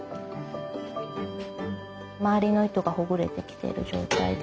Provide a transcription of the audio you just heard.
周りの糸がほぐれてきている状態で。